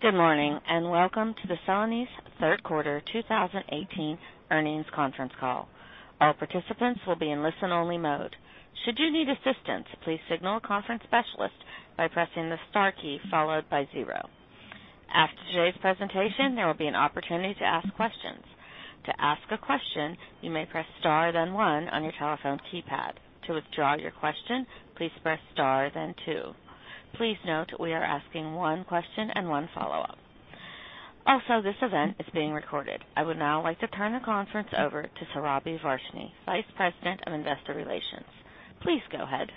Good morning, and welcome to the Celanese third quarter 2018 earnings conference call. All participants will be in listen-only mode. Should you need assistance, please signal a conference specialist by pressing the star key, followed by zero. After today's presentation, there will be an opportunity to ask questions. To ask a question, you may press star then one on your telephone keypad. To withdraw your question, please press star then two. Please note we are asking one question and one follow-up. Also, this event is being recorded. I would now like to turn the conference over to Surabhi Varshney, Vice President of Investor Relations. Please go ahead.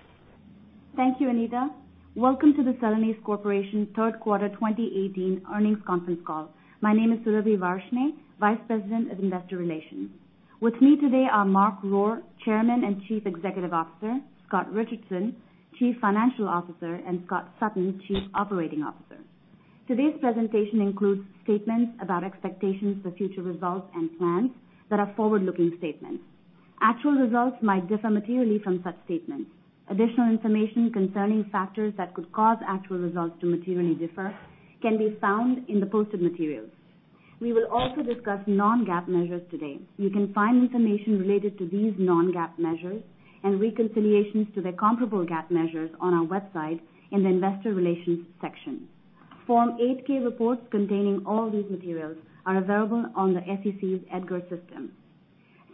Thank you, Anita. Welcome to the Celanese Corporation third quarter 2018 earnings conference call. My name is Surabhi Varshney, Vice President of Investor Relations. With me today are Mark Rohr, Chairman and Chief Executive Officer, Scott Richardson, Chief Financial Officer, and Scott Sutton, Chief Operating Officer. Today's presentation includes statements about expectations for future results and plans that are forward-looking statements. Actual results might differ materially from such statements. Additional information concerning factors that could cause actual results to materially differ can be found in the posted materials. We will also discuss non-GAAP measures today. You can find information related to these non-GAAP measures and reconciliations to the comparable GAAP measures on our website in the investor relations section. Form 8-K reports containing all these materials are available on the SEC's EDGAR system.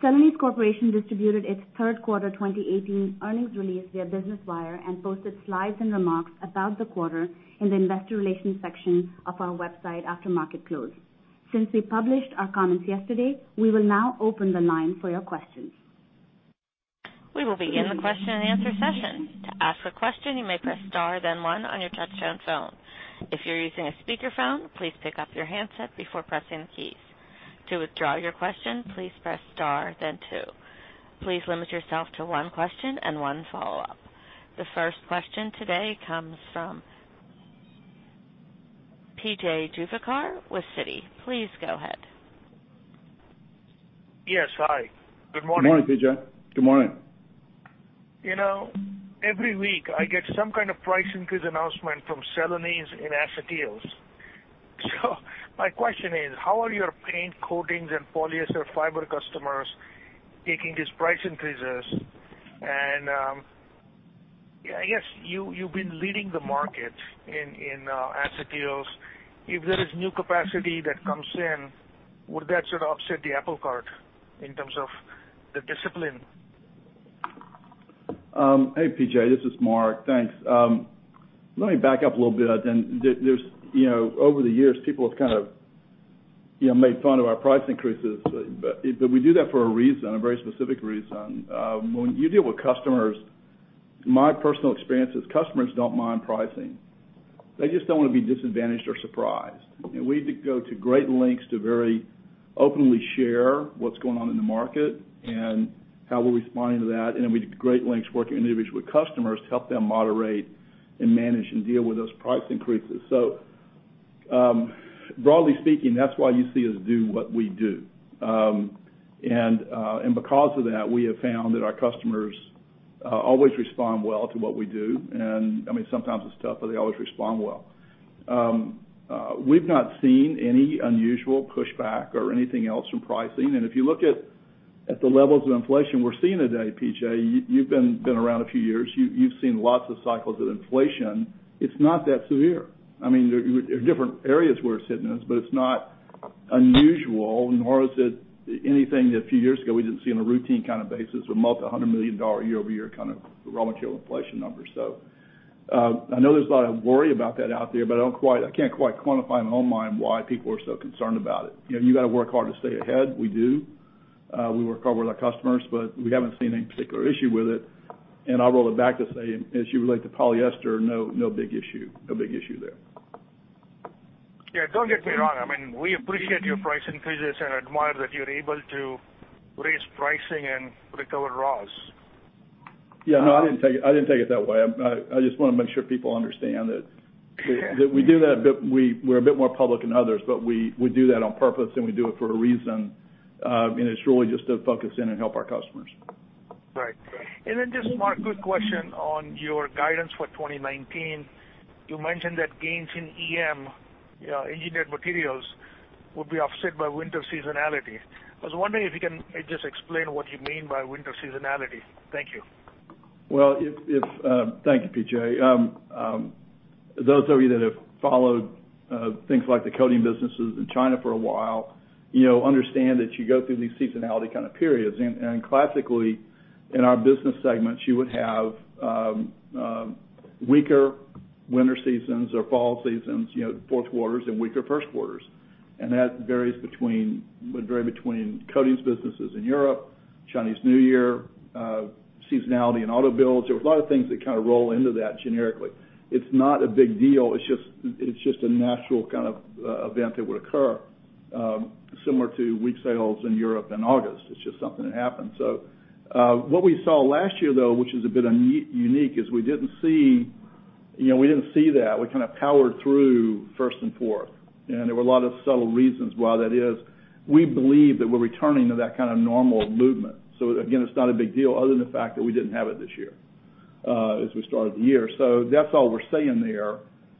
Celanese Corporation distributed its third quarter 2018 earnings release via Business Wire and posted slides and remarks about the quarter in the investor relations section of our website after market close. Since we published our comments yesterday, we will now open the line for your questions. We will begin the question and answer session. To ask a question, you may press star then one on your touchtone phone. If you're using a speakerphone, please pick up your handset before pressing the keys. To withdraw your question, please press star then two. Please limit yourself to one question and one follow-up. The first question today comes from P.J. Juvekar with Citi. Please go ahead. Yes. Hi. Good morning. Good morning, P.J. Good morning. Every week, I get some kind of price increase announcement from Celanese in acetyls. My question is, how are your paint coatings and polyester fiber customers taking these price increases? I guess you've been leading the market in acetyls. If there is new capacity that comes in, would that sort of upset the apple cart in terms of the discipline? Hey, P.J., this is Mark. Thanks. Let me back up a little bit. Over the years, people have kind of made fun of our price increases, we do that for a reason, a very specific reason. When you deal with customers, my personal experience is customers don't mind pricing. They just don't want to be disadvantaged or surprised. We go to great lengths to very openly share what's going on in the market and how we're responding to that. We go to great lengths working individually with customers to help them moderate and manage and deal with those price increases. Broadly speaking, that's why you see us do what we do. Because of that, we have found that our customers always respond well to what we do. Sometimes it's tough, but they always respond well. We've not seen any unusual pushback or anything else from pricing. If you look at the levels of inflation we're seeing today, P.J., you've been around a few years. You've seen lots of cycles of inflation. It's not that severe. There are different areas where it's hitting us, but it's not unusual, nor is it anything that a few years ago we didn't see on a routine kind of basis with multi-$100 million year-over-year kind of raw material inflation numbers. I know there's a lot of worry about that out there, but I can't quite quantify in my own mind why people are so concerned about it. You got to work hard to stay ahead. We do. We work hard with our customers, but we haven't seen any particular issue with it. I'll roll it back to say, as you relate to polyester, no big issue there. Yeah, don't get me wrong. We appreciate your price increases and admire that you're able to raise pricing and recover raws. No, I didn't take it that way. I just want to make sure people understand that we do that, but we're a bit more public than others, but we do that on purpose, and we do it for a reason. It's really just to focus in and help our customers. Right. Just Mark, quick question on your guidance for 2019. You mentioned that gains in EM, Engineered Materials, would be offset by winter seasonality. I was wondering if you can just explain what you mean by winter seasonality. Thank you. Well, thank you, P.J. Those of you that have followed things like the coating businesses in China for a while understand that you go through these seasonality kind of periods. Classically, in our business segments, you would have weaker winter seasons or fall seasons, fourth quarters and weaker first quarters. That would vary between coatings businesses in Europe, Chinese New Year, seasonality in auto builds. There were a lot of things that kind of roll into that generically. It's not a big deal. It's just a natural kind of event that would occur similar to weak sales in Europe in August. It's just something that happens. What we saw last year, though, which is a bit unique, is we didn't see that. We kind of powered through first and fourth, and there were a lot of subtle reasons why that is. We believe that we're returning to that kind of normal movement. Again, it's not a big deal other than the fact that we didn't have it this year as we started the year. That's all we're saying there.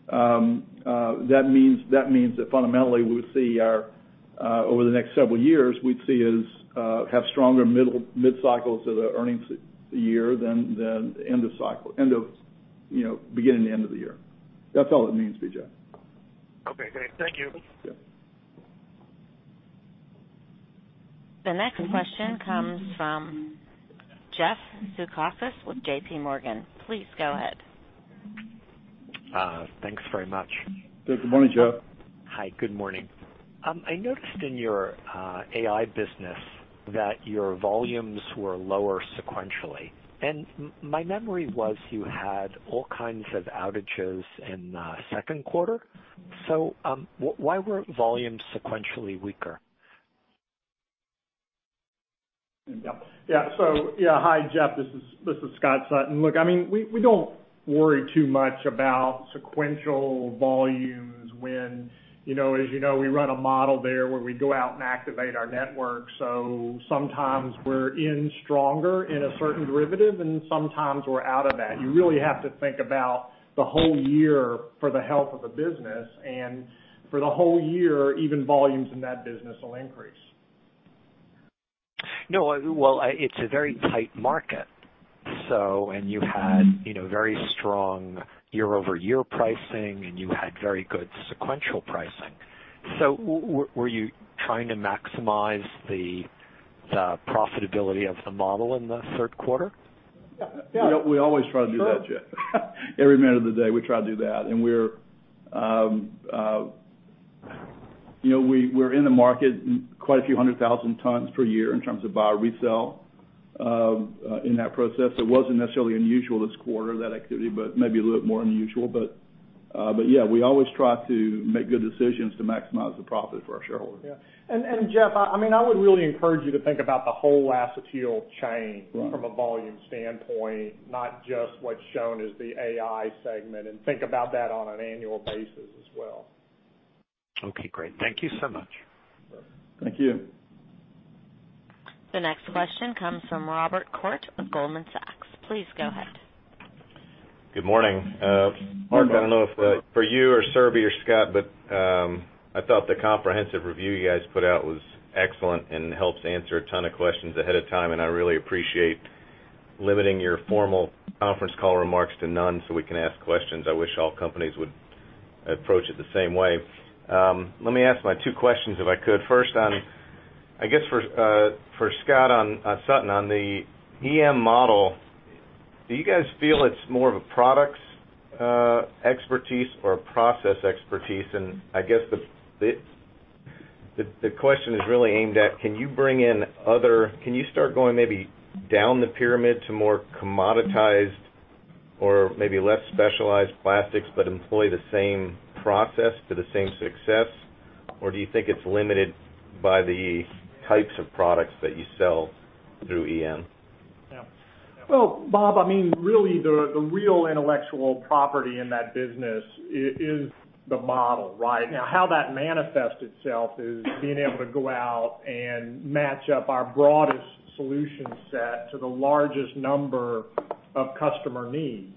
That means that fundamentally over the next several years, we'd have stronger mid-cycles of the earnings year than beginning the end of the year. That's all it means, Vijay. Okay, great. Thank you. Yeah. The next question comes from Jeff Zekauskas with JPMorgan. Please go ahead. Thanks very much. Good morning, Jeff. Hi, good morning. I noticed in your AI business that your volumes were lower sequentially. My memory was you had all kinds of outages in the second quarter. Why were volumes sequentially weaker? Yeah. Hi, Jeff. This is Scott Sutton. Look, we don't worry too much about sequential volumes when, as you know, we run a model there where we go out and activate our network. Sometimes we're in stronger in a certain derivative, and sometimes we're out of that. You really have to think about the whole year for the health of the business, and for the whole year, even volumes in that business will increase. No. Well, it's a very tight market. You had very strong year-over-year pricing, and you had very good sequential pricing. Were you trying to maximize the profitability of the model in the third quarter? Yeah. We always try to do that, Jeff. Every minute of the day, we try to do that, and we're in the market quite a few 100,000 tons per year in terms of buy or resell in that process. It wasn't necessarily unusual this quarter, that activity, but maybe a little bit more unusual. Yeah, we always try to make good decisions to maximize the profit for our shareholders. Yeah. Jeff, I would really encourage you to think about the whole acetyl chain- from a volume standpoint, not just what's shown as the AI segment, and think about that on an annual basis as well. Okay, great. Thank you so much. Thank you. The next question comes from Bob Koort of Goldman Sachs. Please go ahead. Good morning. Good morning. Mark, I don't know if for you or Surabhi or Scott, but I thought the comprehensive review you guys put out was excellent and helps answer a ton of questions ahead of time, and I really appreciate limiting your formal conference call remarks to none so we can ask questions. I wish all companies would approach it the same way. Let me ask my two questions, if I could. First, I guess for Scott Sutton on the EM model, do you guys feel it's more of a products expertise or a process expertise? I guess the question is really aimed at, can you start going maybe down the pyramid to more commoditized or maybe less specialized plastics but employ the same process to the same success, or do you think it's limited by the types of products that you sell through EM? Well, Bob, really the real intellectual property in that business is the model, right? How that manifests itself is being able to go out and match up our broadest solution set to the largest number of customer needs.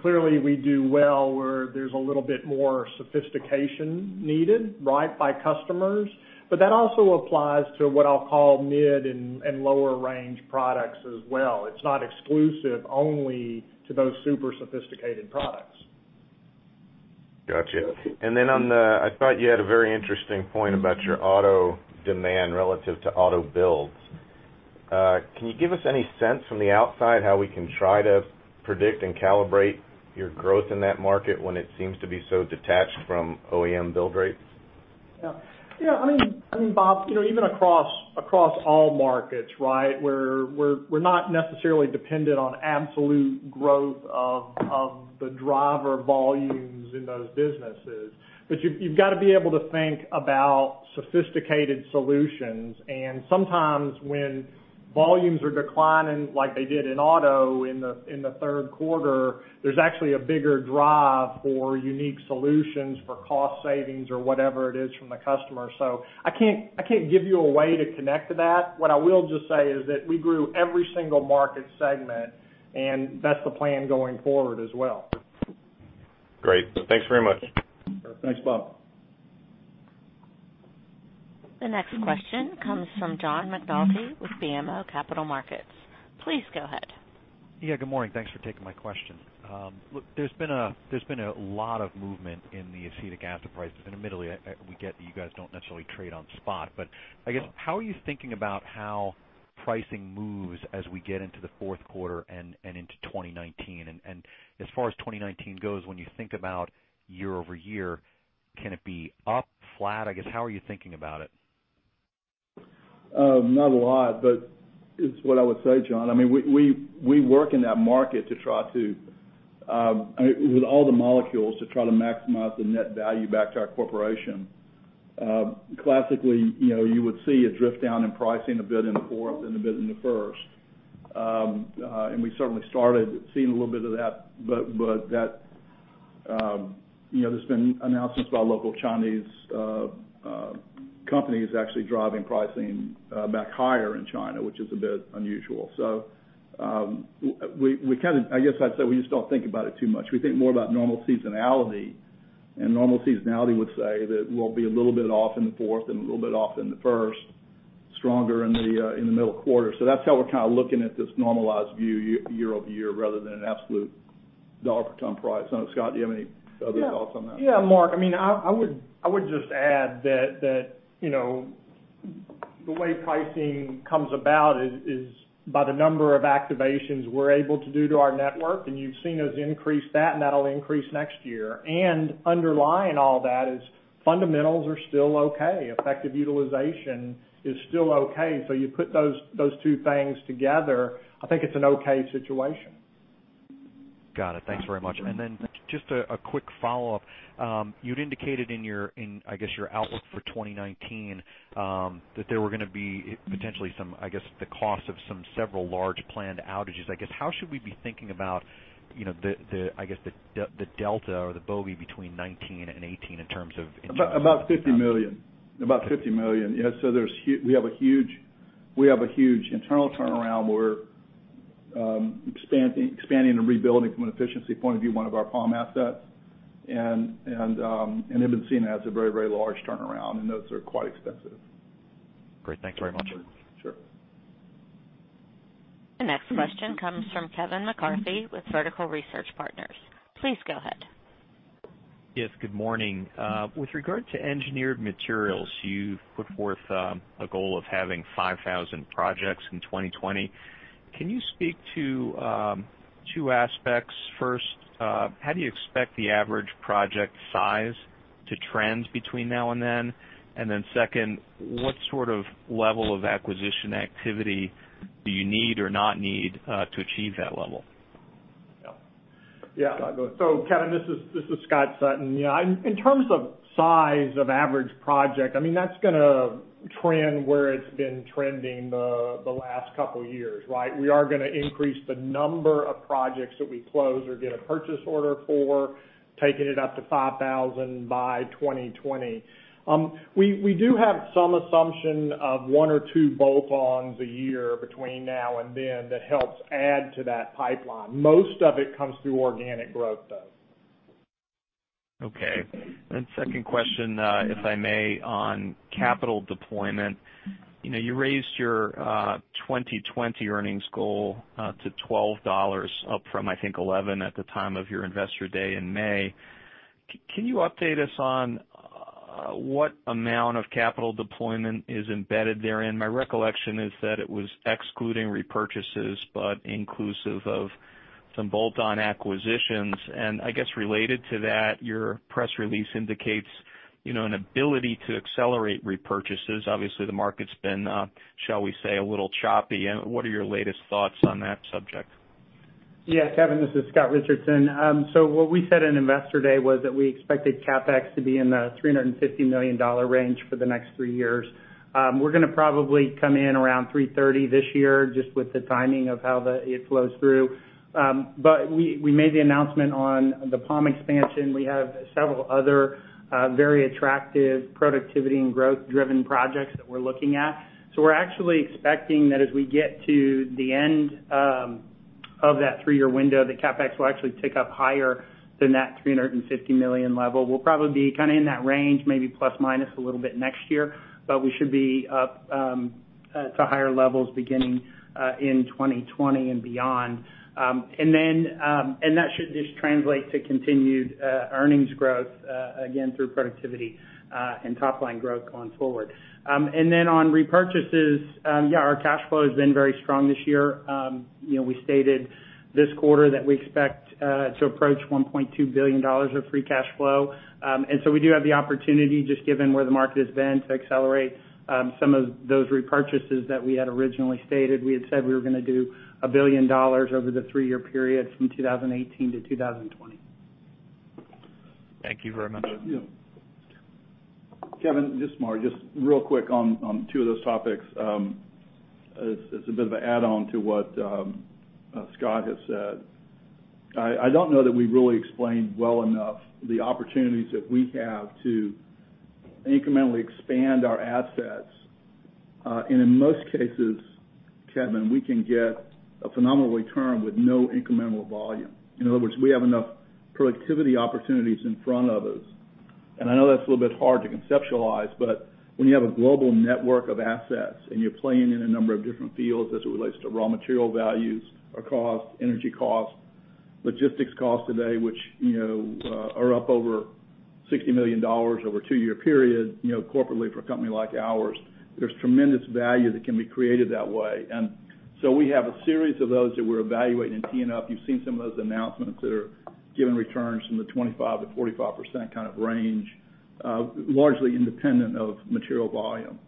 Clearly, we do well where there's a little bit more sophistication needed by customers. That also applies to what I'll call mid and lower range products as well. It's not exclusive only to those super sophisticated products. Gotcha. Then, I thought you had a very interesting point about your auto demand relative to auto builds. Can you give us any sense from the outside how we can try to predict and calibrate your growth in that market when it seems to be so detached from OEM build rates? Yeah. Bob, even across all markets, we're not necessarily dependent on absolute growth of the driver volumes in those businesses. You've got to be able to think about sophisticated solutions, and sometimes when volumes are declining like they did in auto in the third quarter, there's actually a bigger drive for unique solutions for cost savings or whatever it is from the customer. I can't give you a way to connect to that. What I will just say is that we grew every single market segment, and that's the plan going forward as well. Great. Thanks very much. Thanks, Bob. The next question comes from John McNulty with BMO Capital Markets. Please go ahead. Yeah, good morning. Thanks for taking my question. Look, there's been a lot of movement in the acetic acid prices, admittedly, we get that you guys don't necessarily trade on spot, but I guess how are you thinking about how pricing moves as we get into the fourth quarter and into 2019? As far as 2019 goes, when you think about year-over-year, can it be up, flat? I guess, how are you thinking about it? Not a lot, but it's what I would say, John. We work in that market with all the molecules to try to maximize the net value back to our corporation. Classically, you would see a drift down in pricing a bit in the fourth and a bit in the first. We certainly started seeing a little bit of that, but there's been announcements about local Chinese companies actually driving pricing back higher in China, which is a bit unusual. I guess I'd say we just don't think about it too much. We think more about normal seasonality, normal seasonality would say that we'll be a little bit off in the fourth and a little bit off in the first, stronger in the middle quarter. That's how we're kind of looking at this normalized view year-over-year rather than an absolute dollar per ton price. I don't know, Scott, do you have any other thoughts on that? Yeah, Mark, I would just add that the way pricing comes about is by the number of activations we're able to do to our network, you've seen us increase that'll increase next year. Underlying all that is fundamentals are still okay. Effective utilization is still okay. You put those two things together, I think it's an okay situation. Got it. Thanks very much. Just a quick follow-up. You'd indicated in, I guess your outlook for 2019, that there were going to be potentially the cost of some several large planned outages. I guess how should we be thinking about the delta or the bogey. between 2019 and 2018 in terms of engineered materials? About $50 million. We have a huge internal turnaround where we're expanding and rebuilding from an efficiency point of view one of our POM assets. They've been seen as a very large turnaround, and those are quite expensive. Great. Thanks very much. Sure. The next question comes from Kevin McCarthy with Vertical Research Partners. Please go ahead. Yes, good morning. With regard to engineered materials, you've put forth a goal of having 5,000 projects in 2020. Can you speak to two aspects? First, how do you expect the average project size to trend between now and then? Second, what sort of level of acquisition activity do you need or not need to achieve that level? Yeah. Yeah. Kevin, this is Scott Sutton. In terms of size of average project, that's going to trend where it's been trending the last couple of years, right? We are going to increase the number of projects that we close or get a purchase order for, taking it up to 5,000 by 2020. We do have some assumption of one or two bolt-ons a year between now and then that helps add to that pipeline. Most of it comes through organic growth, though. Okay. Second question, if I may, on capital deployment. You raised your 2020 earnings goal to $12 up from, I think, $11 at the time of your Investor Day in May. Can you update us on what amount of capital deployment is embedded therein? My recollection is that it was excluding repurchases, but inclusive of some bolt-on acquisitions. I guess related to that, your press release indicates an ability to accelerate repurchases. Obviously, the market's been, shall we say, a little choppy. What are your latest thoughts on that subject? Yeah, Kevin, this is Scott Richardson. What we said in Investor Day was that we expected CapEx to be in the $350 million range for the next three years. We're going to probably come in around $330 this year just with the timing of how it flows through. We made the announcement on the POM expansion. We have several other very attractive productivity and growth-driven projects that we're looking at. We're actually expecting that as we get to the end of that three-year window, the CapEx will actually tick up higher than that $350 million level. We'll probably be kind of in that range, maybe plus/minus a little bit next year. We should be up to higher levels beginning in 2020 and beyond. That should just translate to continued earnings growth again through productivity and top-line growth going forward. On repurchases, yeah, our cash flow has been very strong this year. We stated this quarter that we expect to approach $1.2 billion of free cash flow. We do have the opportunity, just given where the market has been, to accelerate some of those repurchases that we had originally stated. We had said we were going to do $1 billion over the three-year period from 2018 to 2020. Thank you very much. Kevin, this is Mark. Just real quick on two of those topics. It's a bit of an add-on to what Scott has said. I don't know that we really explained well enough the opportunities that we have to incrementally expand our assets. In most cases, Kevin, we can get a phenomenal return with no incremental volume. In other words, we have enough productivity opportunities in front of us. I know that's a little bit hard to conceptualize, but when you have a global network of assets and you're playing in a number of different fields as it relates to raw material values or cost, energy cost, logistics cost today, which are up over $60 million over a two-year period, corporately for a company like ours, there's tremendous value that can be created that way. We have a series of those that we're evaluating and teeing up. You've seen some of those announcements that are giving returns from the 25%-45% kind of range, largely independent of material volume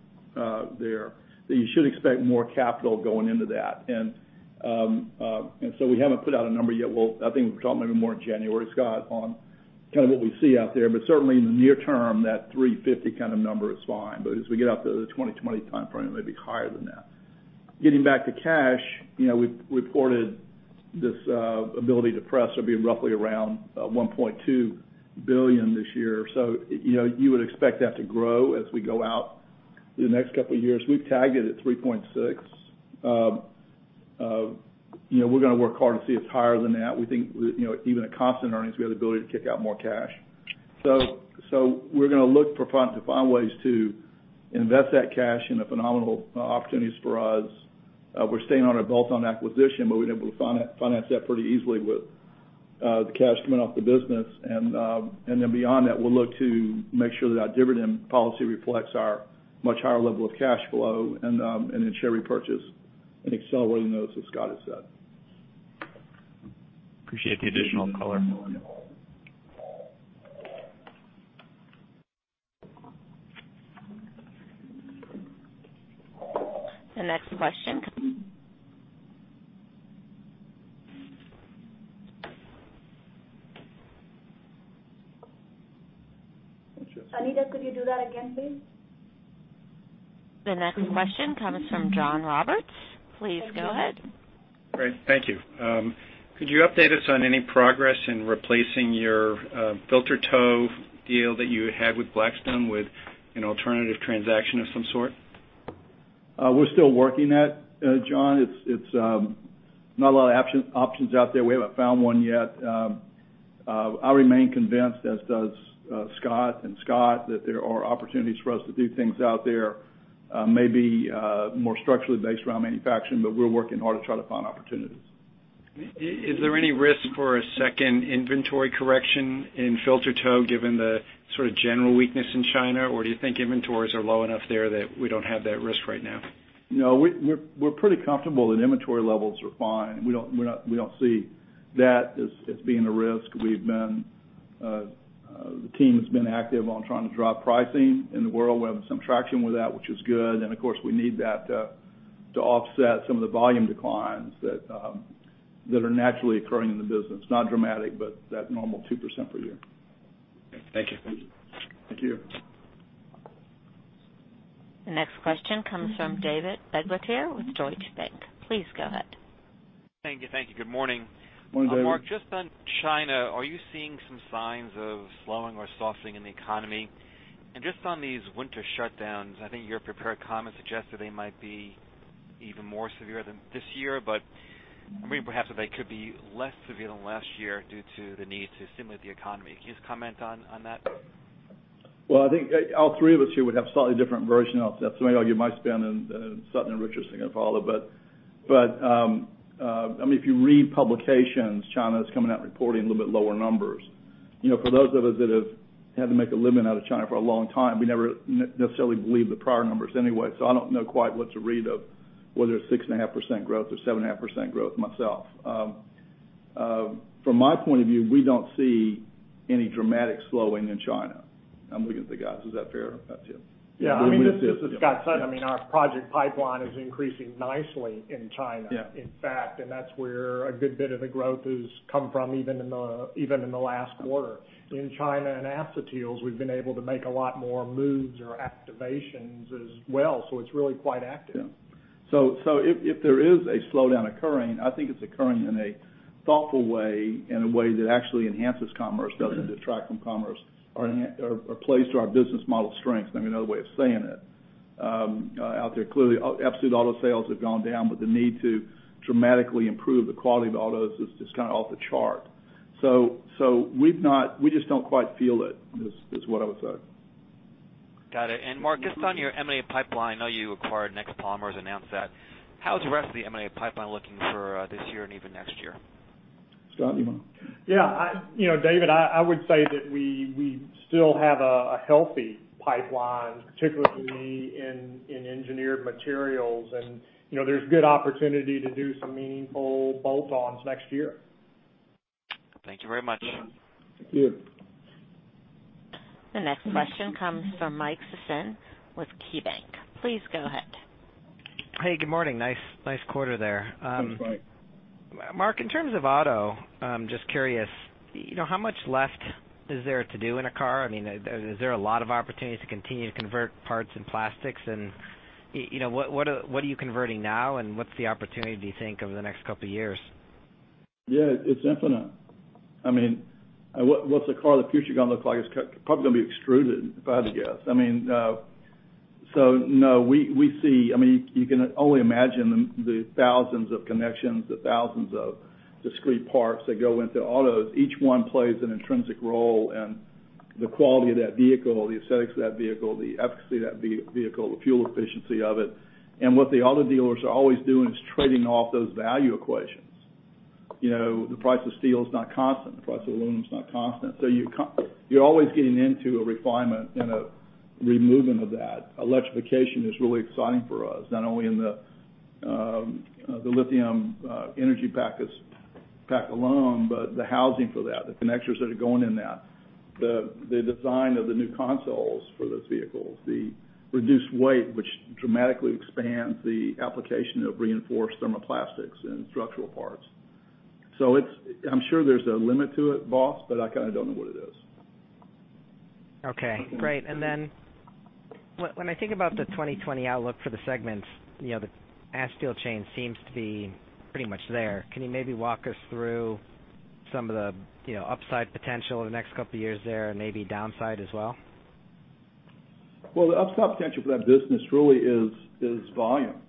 there. That you should expect more capital going into that. We haven't put out a number yet. Well, I think we can talk maybe more in January, Scott, on kind of what we see out there. Certainly in the near term, that 350 kind of number is fine. As we get out to the 2020 timeframe, it may be higher than that. Getting back to cash, we've reported this ability to press or be roughly around $1.2 billion this year. You would expect that to grow as we go out the next couple of years. We've tagged it at $3.6 billion. We're going to work hard to see it's higher than that. We think even at constant earnings, we have the ability to kick out more cash. We're going to look to find ways to invest that cash in the phenomenal opportunities for us. We're staying on our bolt-on acquisition, we've been able to finance that pretty easily with the cash coming off the business. Beyond that, we'll look to make sure that our dividend policy reflects our much higher level of cash flow, and then share repurchase and accelerating those as Scott has said. Appreciate the additional color. The next question. Anita, could you do that again, please? The next question comes from John Roberts. Please go ahead. Great. Thank you. Could you update us on any progress in replacing your filter tow deal that you had with Blackstone with an alternative transaction of some sort? We're still working that, John. It's not a lot of options out there. We haven't found one yet. I remain convinced, as does Scott and Scott, that there are opportunities for us to do things out there maybe more structurally based around manufacturing. We're working hard to try to find opportunities. Is there any risk for a second inventory correction in filter tow, given the sort of general weakness in China? Do you think inventories are low enough there that we don't have that risk right now? No, we're pretty comfortable that inventory levels are fine. We don't see that as being a risk. The team has been active on trying to drop pricing in the world. We're having some traction with that, which is good. Of course, we need that to offset some of the volume declines that are naturally occurring in the business. Not dramatic, but that normal 2% per year. Thank you. Thank you. The next question comes from David Begleiter with Deutsche Bank. Please go ahead. Thank you. Good morning. Morning, David. Mark, just on China, are you seeing some signs of slowing or softening in the economy? Just on these winter shutdowns, I think your prepared comments suggest that they might be even more severe than this year, but I'm wondering perhaps if they could be less severe than last year due to the need to stimulate the economy. Can you just comment on that? Well, I think all three of us here would have slightly different versions of that. Some may argue my spin, and Sutton and Richardson are going to follow. If you read publications, China's coming out reporting a little bit lower numbers. For those of us that have had to make a living out of China for a long time, we never necessarily believe the prior numbers anyway. I don't know quite what to read of whether it's 6.5% growth or 7.5% growth myself. From my point of view, we don't see any dramatic slowing in China. I'm looking at the guys. Is that fair? That's it. Just as Scott said, our project pipeline is increasing nicely in China. Yeah. In fact, that's where a good bit of the growth has come from, even in the last quarter. In China, in Acetyls, we've been able to make a lot more moves or activations as well. It's really quite active. If there is a slowdown occurring, I think it's occurring in a thoughtful way, in a way that actually enhances commerce, doesn't detract from commerce or plays to our business model strengths. Another way of saying it. Out there clearly, absolute auto sales have gone down. The need to dramatically improve the quality of autos is just off the chart. We just don't quite feel it, is what I would say. Got it. Mark, just on your M&A pipeline, I know you acquired Next Polymers, announced that. How is the rest of the M&A pipeline looking for this year and even next year? Scott, you want? Yeah. David, I would say that we still have a healthy pipeline, particularly in Engineered Materials. There's good opportunity to do some meaningful bolt-ons next year. Thank you very much. Thank you. The next question comes from Mike Sison with KeyBanc. Please go ahead. Hey, good morning. Nice quarter there. Thanks, Mike. Mark, in terms of auto, just curious, how much left is there to do in a car? Is there a lot of opportunity to continue to convert parts and plastics, and what are you converting now, and what's the opportunity, do you think, over the next couple of years? Yeah, it's infinite. What's the car of the future going to look like? It's probably going to be extruded, if I had to guess. No. You can only imagine the thousands of connections, the thousands of discrete parts that go into autos. Each one plays an intrinsic role in the quality of that vehicle, the aesthetics of that vehicle, the efficacy of that vehicle, the fuel efficiency of it. What the auto dealers are always doing is trading off those value equations. The price of steel is not constant. The price of aluminum is not constant. You're always getting into a refinement and a removing of that. Electrification is really exciting for us, not only in the lithium energy pack alone, but the housing for that, the connectors that are going in that. The design of the new consoles for those vehicles. The reduced weight, which dramatically expands the application of reinforced thermoplastics in structural parts. I'm sure there's a limit to it, boss, but I don't know what it is. Okay, great. When I think about the 2020 outlook for the segments, the acetyl chain seems to be pretty much there. Can you maybe walk us through some of the upside potential over the next couple of years there, and maybe downside as well? Well, the upside potential for that business really is volume.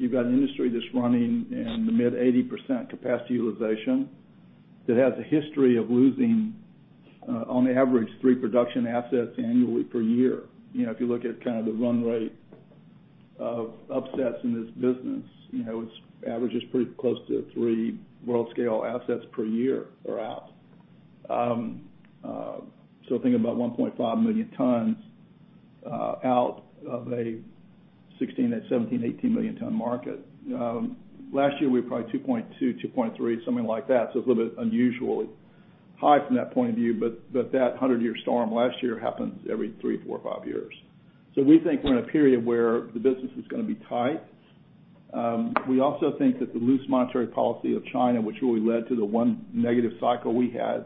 You've got an industry that's running in the mid 80% capacity utilization, that has a history of losing, on average, three production assets annually per year. If you look at the run rate of upsets in this business, its average is pretty close to three world-scale assets per year are out. Think about 1.5 million tons out of a 16, 17, 18 million ton market. Last year we were probably 2.2.3, something like that. It's a little bit unusually high from that point of view, but that 100-year storm last year happens every three, four, five years. We think we're in a period where the business is going to be tight. We also think that the loose monetary policy of China, which really led to the one negative cycle we had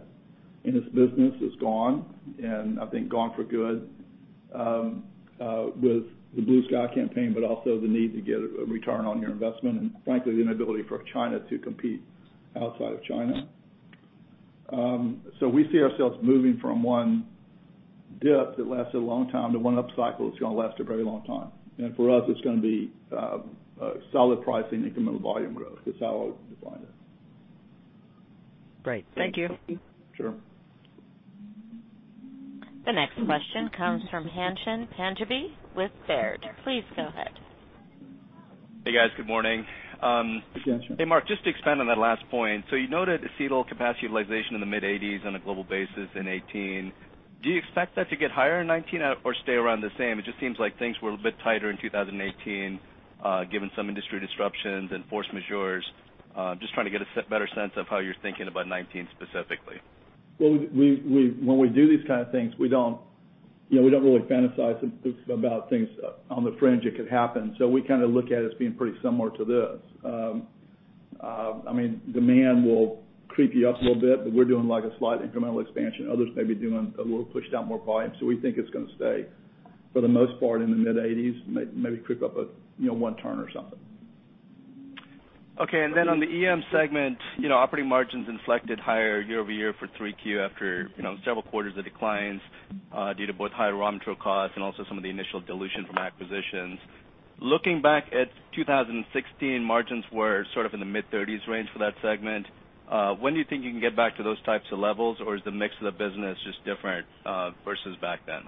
in this business, is gone. I think gone for good with the Blue Sky campaign, but also the need to get a return on your investment, frankly, the inability for China to compete outside of China. We see ourselves moving from one dip that lasted a long time to one upcycle that's going to last a very long time. For us, it's going to be solid pricing, incremental volume growth. That's how I would define it. Great. Thank you. Sure. The next question comes from Ghansham Panjabi with Baird. Please go ahead. Hey, guys. Good morning. Hey, Ghansham. Hey, Mark, just to expand on that last point. You noted acetal capacity utilization in the mid-80s on a global basis in 2018. Do you expect that to get higher in 2019 or stay around the same? It just seems like things were a bit tighter in 2018, given some industry disruptions and force majeurs. Just trying to get a better sense of how you're thinking about 2019 specifically. When we do these kind of things, we don't really fantasize about things on the fringe that could happen. We look at it as being pretty similar to this. Demand will creep you up a little bit, but we're doing a slight incremental expansion. Others may be doing a little, pushed out more volume. We think it's going to stay, for the most part, in the mid-80s, maybe creep up one turn or something. Okay. On the EM segment, operating margins inflected higher year-over-year for 3Q after several quarters of declines due to both higher raw material costs and also some of the initial dilution from acquisitions. Looking back at 2016, margins were sort of in the mid-30s range for that segment. When do you think you can get back to those types of levels, or is the mix of the business just different versus back then?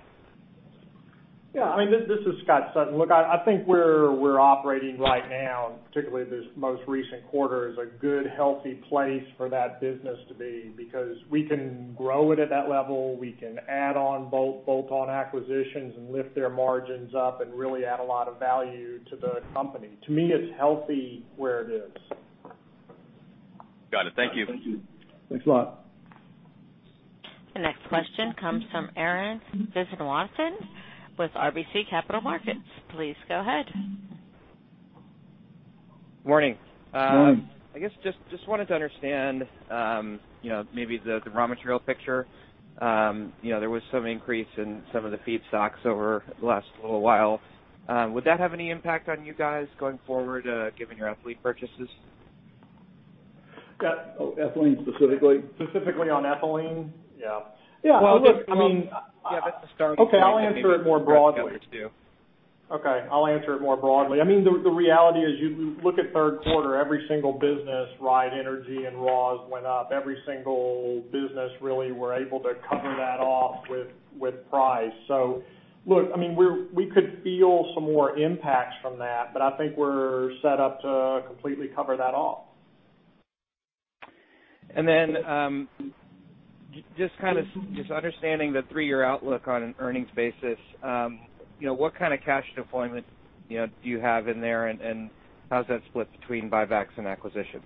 Yeah. This is Scott Sutton. Look, I think we're operating right now, and particularly this most recent quarter, is a good, healthy place for that business to be, because we can grow it at that level. We can add on bolt-on acquisitions and lift their margins up and really add a lot of value to the company. To me, it's healthy where it is. Got it. Thank you. Thanks a lot. The next question comes from Arun Viswanathan with RBC Capital Markets. Please go ahead. Morning. Morning. I guess just wanted to understand maybe the raw material picture. There was some increase in some of the feedstocks over the last little while. Would that have any impact on you guys going forward, given your ethylene purchases? Ethylene specifically? Specifically on ethylene? Yeah. Yeah. Well, look, I mean. Yeah, that's the starting point. Okay, I'll answer it more broadly. I think it's what the rest of us do. Okay, I'll answer it more broadly. The reality is, you look at third quarter, every single business, right, energy and raws went up. Every single business, really, were able to cover that off with price. Look, we could feel some more impacts from that, but I think we're set up to completely cover that off. Just understanding the three-year outlook on an earnings basis. What kind of cash deployment do you have in there, and how's that split between buybacks and acquisitions?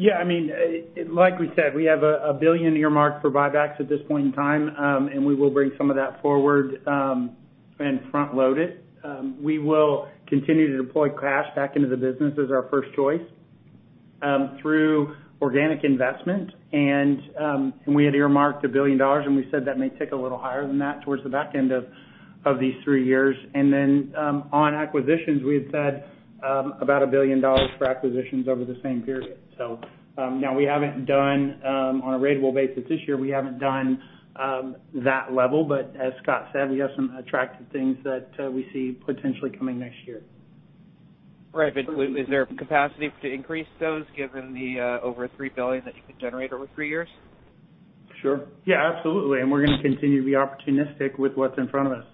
Like we said, we have $1 billion earmarked for buybacks at this point in time, and we will bring some of that forward and front-load it. We will continue to deploy cash back into the business as our first choice through organic investment. We had earmarked $1 billion, and we said that may tick a little higher than that towards the back end of these three years. On acquisitions, we had said about $1 billion for acquisitions over the same period. We haven't done on a ratable basis this year, we haven't done that level. But as Scott said, we have some attractive things that we see potentially coming next year. Right. Is there capacity to increase those given the over $3 billion that you can generate over three years? Sure. Absolutely. We're going to continue to be opportunistic with what's in front of us.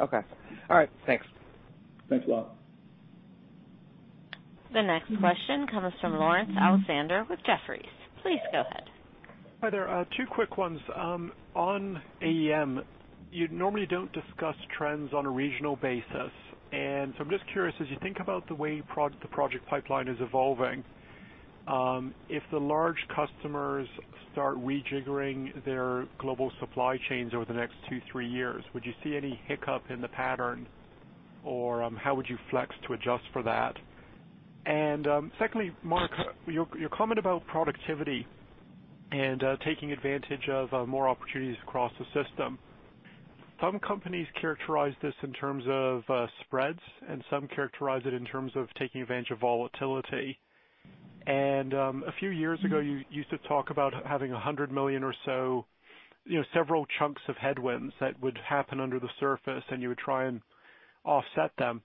Okay. All right. Thanks. Thanks a lot. The next question comes from Laurence Alexander with Jefferies. Please go ahead. Hi there. Two quick ones. On AEM, you normally don't discuss trends on a regional basis. I'm just curious, as you think about the way the project pipeline is evolving, if the large customers start rejiggering their global supply chains over the next two, three years, would you see any hiccup in the pattern, or how would you flex to adjust for that? Secondly, Mark, your comment about productivity and taking advantage of more opportunities across the system. Some companies characterize this in terms of spreads, and some characterize it in terms of taking advantage of volatility. A few years ago, you used to talk about having $100 million or so, several chunks of headwinds that would happen under the surface, and you would try and offset them.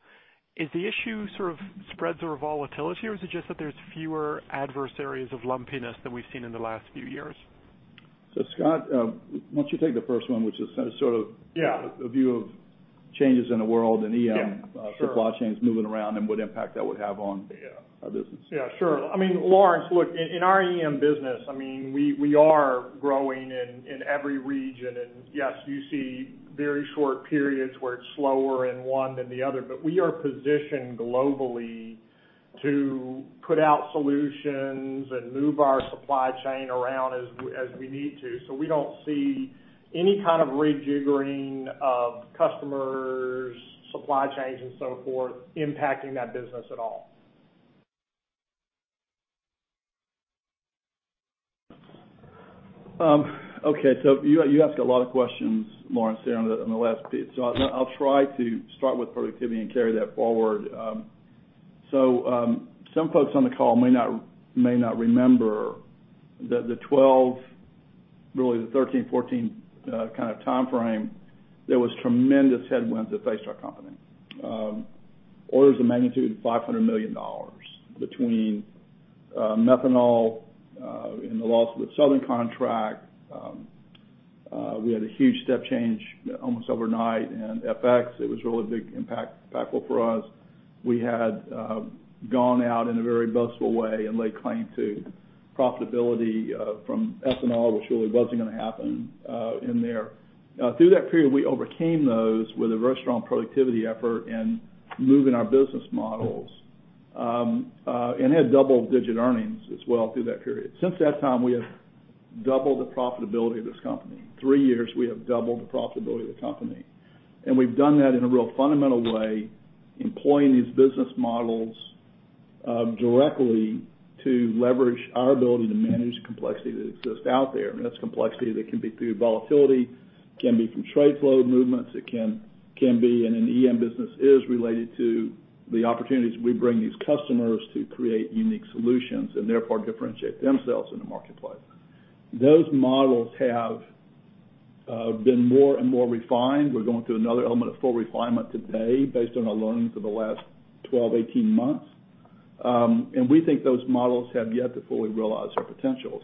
Is the issue sort of spreads or volatility, or is it just that there's fewer adverse areas of lumpiness than we've seen in the last few years? Scott, why don't you take the first one, which is sort of. Yeah A view of changes in the world and EM. Yeah, sure. supply chains moving around and what impact that would have on- Yeah our business. Yeah, sure. Laurence, look, in our EM business, we are growing in every region. Yes, you see very short periods where it's slower in one than the other, we are positioned globally to put out solutions and move our supply chain around as we need to. We don't see any kind of rejiggering of customers, supply chains, and so forth, impacting that business at all. Okay. You asked a lot of questions, Laurence, there on the last bit. I'll try to start with productivity and carry that forward. Some folks on the call may not remember that the 2012, really the 2013, 2014 kind of timeframe, there was tremendous headwinds that faced our company. Orders of magnitude of $500 million, between methanol and the loss of the Southern contract. We had a huge step change almost overnight in FX. It was really big, impactful for us. We had gone out in a very boastful way and laid claim to profitability from ethanol, which really wasn't going to happen in there. Through that period, we overcame those with a very strong productivity effort and moving our business models, and had double-digit earnings as well through that period. Since that time, we have doubled the profitability of this company. Three years, we have doubled the profitability of the company. We've done that in a real fundamental way, employing these business models directly to leverage our ability to manage the complexity that exists out there. That's complexity that can be through volatility, can be from trade flow movements, it can be, in an EM business, is related to the opportunities we bring these customers to create unique solutions and therefore differentiate themselves in the marketplace. Those models have been more and more refined. We're going through another element of full refinement today based on our learnings of the last 12, 18 months. We think those models have yet to fully realize their potential.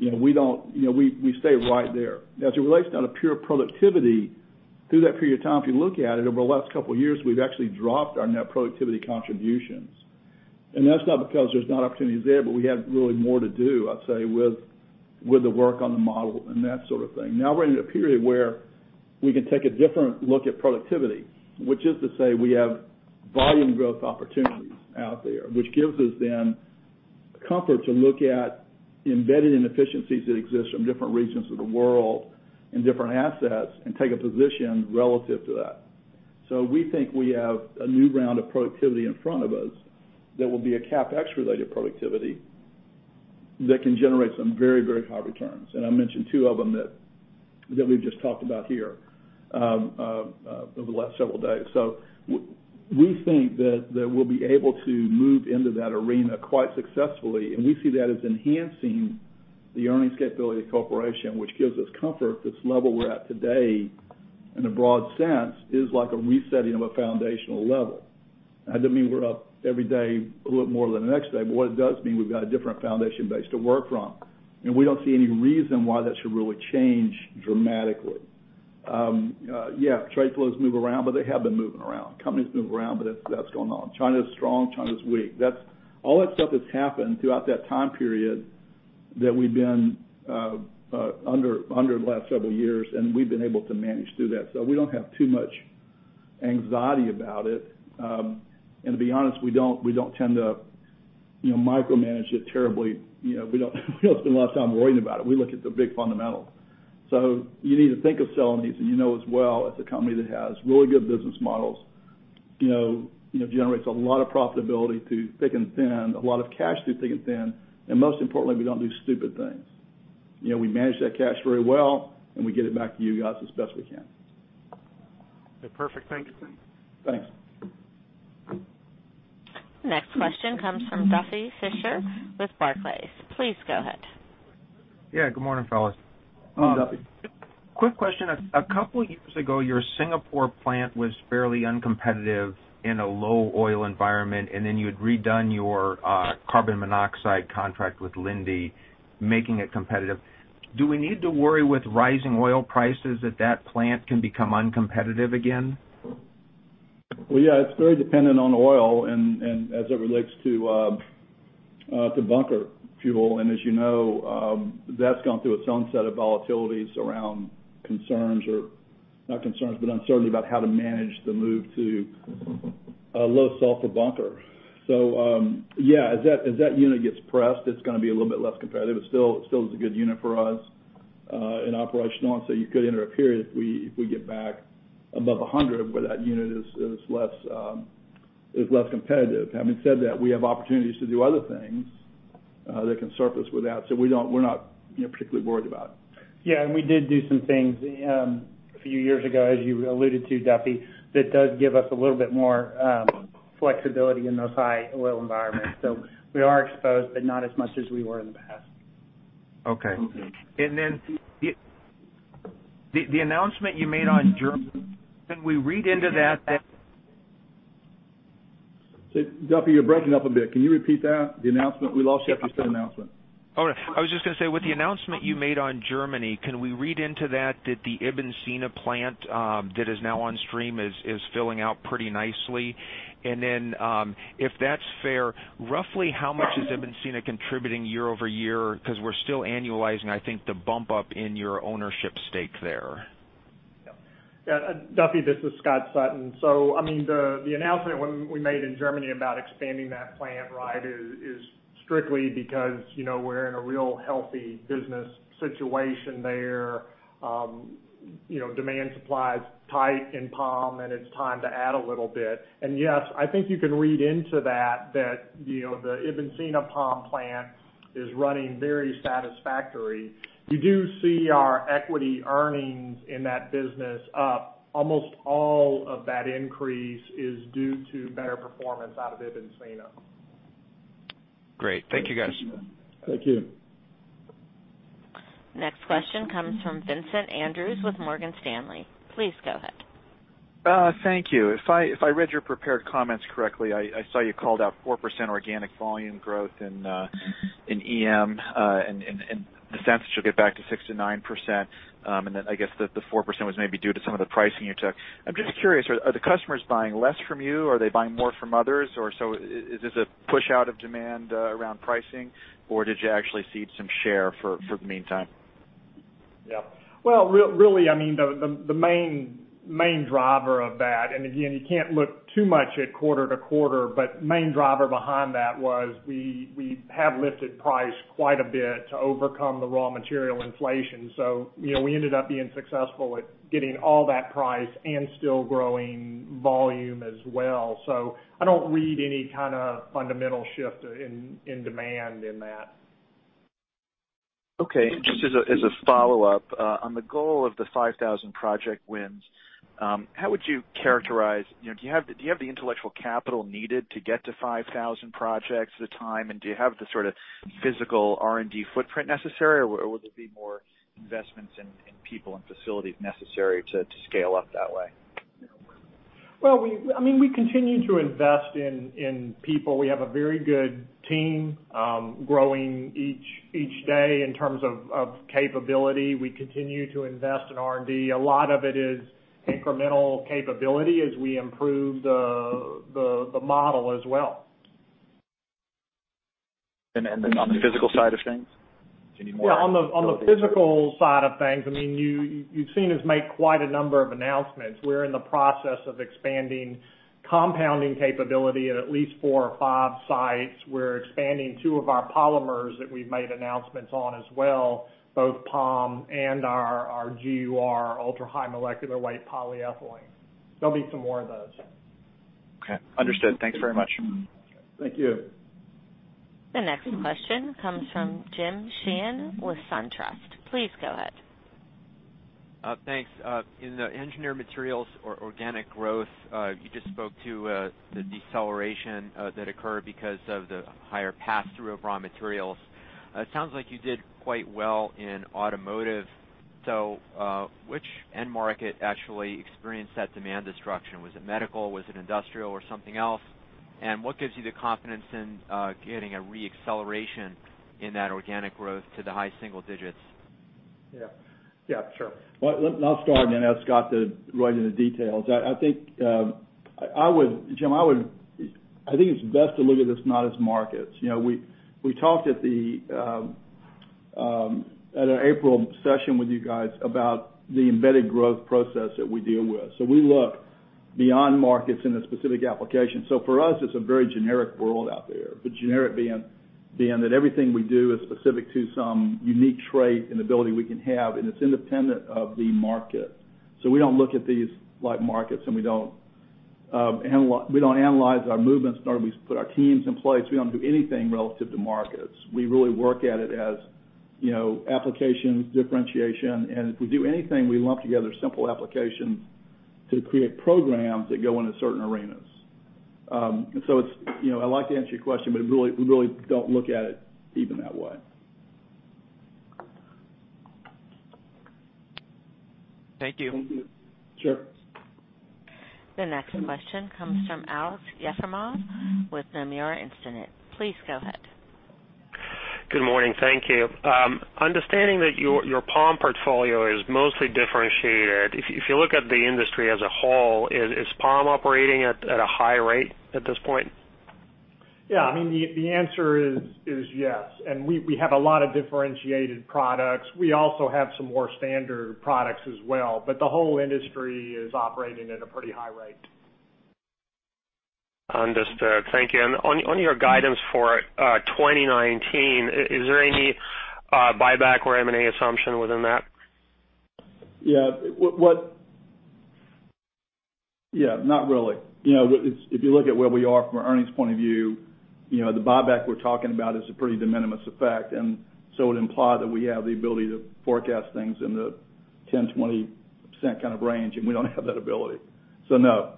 We stay right there. Now, as it relates to out of pure productivity, through that period of time, if you look at it over the last couple of years, we've actually dropped our net productivity contributions. That's not because there's not opportunities there, but we have really more to do, I'd say, with the work on the model and that sort of thing. Now we're in a period where we can take a different look at productivity, which is to say we have volume growth opportunities out there, which gives us then comfort to look at embedded inefficiencies that exist from different regions of the world and different assets, and take a position relative to that. We think we have a new round of productivity in front of us that will be a CapEx related productivity that can generate some very, very high returns. I mentioned two of them that we've just talked about here over the last several days. We think that we'll be able to move into that arena quite successfully, and we see that as enhancing the earnings capability of the corporation, which gives us comfort that this level we're at today, in a broad sense, is like a resetting of a foundational level. That doesn't mean we're up every day a little bit more than the next day, but what it does mean, we've got a different foundation base to work from. We don't see any reason why that should really change dramatically. Yeah, trade flows move around, but they have been moving around. Companies move around, but that's going on. China's strong, China's weak. All that stuff has happened throughout that time period that we've been under the last several years, and we've been able to manage through that. We don't have too much anxiety about it. To be honest, we don't tend to micromanage it terribly. We don't spend a lot of time worrying about it. We look at the big fundamentals. You need to think of Celanese, and you know as well, it's a company that has really good business models. Generates a lot of profitability through thick and thin, a lot of cash through thick and thin. Most importantly, we don't do stupid things. We manage that cash very well, and we get it back to you guys as best we can. Okay, perfect. Thank you. Thanks. Next question comes from Duffy Fischer with Barclays. Please go ahead. Yeah, good morning, fellas. Morning, Duffy. Quick question. A couple years ago, your Singapore plant was fairly uncompetitive in a low oil environment, then you had redone your carbon monoxide contract with Linde, making it competitive. Do we need to worry with rising oil prices that that plant can become uncompetitive again? Well, yeah. It's very dependent on oil, and as it relates to bunker fuel. As you know, that's gone through its own set of volatilities around concerns or, not concerns, but uncertainty about how to manage the move to low sulfur bunker. Yeah, as that unit gets pressed, it's going to be a little bit less competitive. It still is a good unit for us In operation on, you could enter a period if we get back above 100 where that unit is less competitive. Having said that, we have opportunities to do other things that can surface with that. We're not particularly worried about it. Yeah. We did do some things a few years ago, as you alluded to, Duffy, that does give us a little bit more flexibility in those high oil environments. We are exposed, but not as much as we were in the past. Okay. The announcement you made on Germany, can we read into that? Duffy, you're breaking up a bit. Can you repeat that? The announcement. We lost you after you said announcement. I was just going to say, with the announcement you made on Germany, can we read into that the Ibn Sina plant that is now on stream is filling out pretty nicely? If that's fair, roughly how much is Ibn Sina contributing year-over-year? Because we're still annualizing, I think, the bump up in your ownership stake there. Duffy, this is Scott Sutton. The announcement we made in Germany about expanding that plant is strictly because we're in a real healthy business situation there. Demand supply is tight in POM, and it's time to add a little bit. Yes, I think you can read into that the Ibn Sina POM plant is running very satisfactory. You do see our equity earnings in that business up. Almost all of that increase is due to better performance out of Ibn Sina. Great. Thank you, guys. Thank you. Next question comes from Vincent Andrews with Morgan Stanley. Please go ahead. Thank you. If I read your prepared comments correctly, I saw you called out 4% organic volume growth in EM, and the sense that you'll get back to 6%-9%, and then I guess the 4% was maybe due to some of the pricing you took. I'm just curious, are the customers buying less from you? Are they buying more from others, or so is this a push out of demand around pricing, or did you actually cede some share for the meantime? Yeah. Well, really, the main driver of that, and again, you can't look too much at quarter to quarter, but main driver behind that was we have lifted price quite a bit to overcome the raw material inflation. We ended up being successful at getting all that price and still growing volume as well. I don't read any kind of fundamental shift in demand in that. Okay. Just as a follow-up. On the goal of the 5,000 project wins, do you have the intellectual capital needed to get to 5,000 projects at a time, and do you have the sort of physical R&D footprint necessary, or will there be more investments in people and facilities necessary to scale up that way? Well, we continue to invest in people. We have a very good team growing each day in terms of capability. We continue to invest in R&D. A lot of it is incremental capability as we improve the model as well. On the physical side of things? Do you need more? Yeah, on the physical side of things, you've seen us make quite a number of announcements. We're in the process of expanding compounding capability at least four or five sites. We're expanding two of our polymers that we've made announcements on as well, both POM and our GUR, ultra-high molecular weight polyethylene. There'll be some more of those. Okay, understood. Thanks very much. Thank you. The next question comes from James Sheehan with SunTrust. Please go ahead. Thanks. In the engineered materials or organic growth, you just spoke to the deceleration that occurred because of the higher pass-through of raw materials. It sounds like you did quite well in automotive. Which end market actually experienced that demand destruction? Was it medical, was it industrial, or something else? What gives you the confidence in getting a re-acceleration in that organic growth to the high single digits? Yeah. Sure. Well, I'll start and then ask Scott to write in the details. Jim, I think it's best to look at this not as markets. We talked at an April session with you guys about the embedded growth process that we deal with. We look beyond markets in a specific application. For us, it's a very generic world out there. The generic being that everything we do is specific to some unique trait and ability we can have, and it's independent of the market. We don't look at these like markets, and we don't analyze our movements, nor do we put our teams in place. We don't do anything relative to markets. We really work at it as application differentiation, and if we do anything, we lump together simple applications to create programs that go into certain arenas. I'd like to answer your question, but we really don't look at it even that way. Thank you. Sure. The next question comes from Aleksey Yefremov with Nomura Instinet. Please go ahead. Good morning. Thank you. Understanding that your POM portfolio is mostly differentiated. If you look at the industry as a whole, is POM operating at a high rate at this point? Yeah. The answer is yes. We have a lot of differentiated products. We also have some more standard products as well, the whole industry is operating at a pretty high rate. Understood. Thank you. On your guidance for 2019, is there any buyback or M&A assumption within that? Yeah, not really. If you look at where we are from an earnings point of view, the buyback we're talking about is a pretty de minimis effect, and so it would imply that we have the ability to forecast things in the 10%, 20% kind of range, and we don't have that ability. No,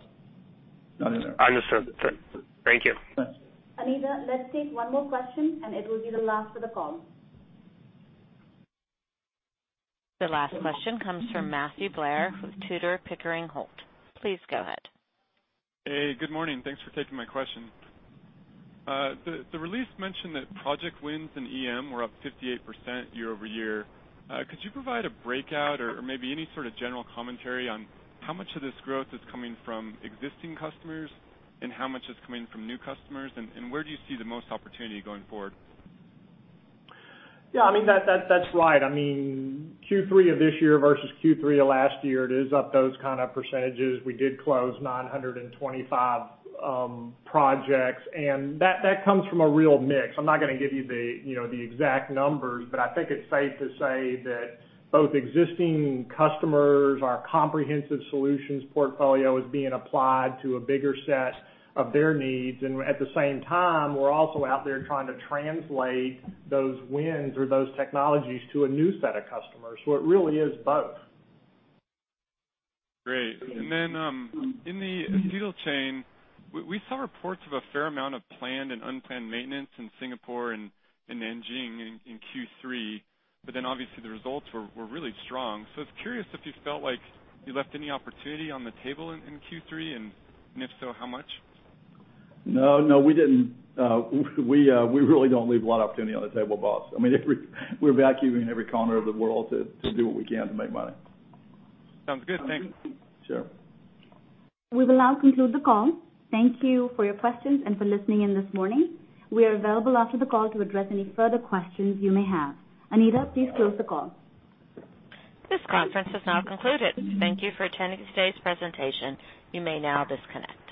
not in there. Understood. Thank you. Thanks. Anita, let's take one more question, and it will be the last of the call. The last question comes from Matthew Blair with Tudor, Pickering Holt. Please go ahead. Hey, good morning. Thanks for taking my question. The release mentioned that project wins in EM were up 58% year-over-year. Could you provide a breakout or maybe any sort of general commentary on how much of this growth is coming from existing customers, and how much is coming from new customers? Where do you see the most opportunity going forward? Yeah, that's right. Q3 of this year versus Q3 of last year, it is up those kind of percentages. We did close 925 projects, and that comes from a real mix. I'm not going to give you the exact numbers, but I think it's safe to say that both existing customers, our comprehensive solutions portfolio is being applied to a bigger set of their needs. At the same time, we're also out there trying to translate those wins or those technologies to a new set of customers. It really is both. Great. In the acetyl chain, we saw reports of a fair amount of planned and unplanned maintenance in Singapore and in Nanjing in Q3, but then obviously the results were really strong. I was curious if you felt like you left any opportunity on the table in Q3, and if so, how much? No, we didn't. We really don't leave a lot of opportunity on the table, Voss. We're vacuuming every corner of the world to do what we can to make money. Sounds good. Thanks. Sure. We will now conclude the call. Thank you for your questions and for listening in this morning. We are available after the call to address any further questions you may have. Anita, please close the call. This conference is now concluded. Thank you for attending today's presentation. You may now disconnect.